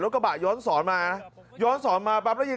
ล้วนกระบะย้อนสอนมานะย้อนสอนมาปับละยิน